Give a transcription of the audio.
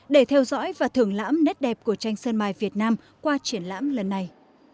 để theo dõi và thưởng lãm nét đẹp của tranh sơn mài việt nam qua triển lãm lần này